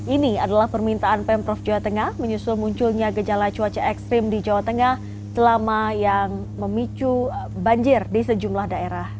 ini adalah permintaan pemprov jawa tengah menyusul munculnya gejala cuaca ekstrim di jawa tengah selama yang memicu banjir di sejumlah daerah